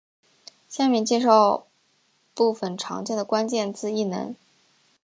下面介绍部分常见的关键字异能。